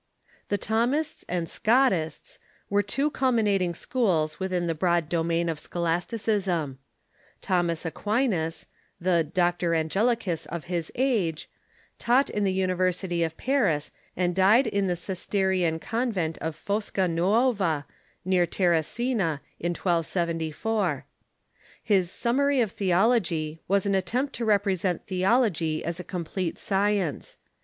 The Thomists and Scotists were two culminating schools within the broad domain of scholasticism. Thomas Aquinas, the " Doctor Angelicus " of his age, taught in the and Scotists l^"iversity of Paris, and died in the Cistercian Con vent of Fosca Nuova, near Terracina, in 1274. His " Summary of Theology " was an attempt to represent the ology as a complete science.